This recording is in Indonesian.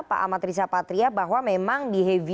pak ahmad riza patria bahwa memang behavior